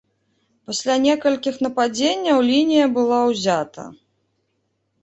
Пасля некалькіх нападзенняў лінія была ўзята.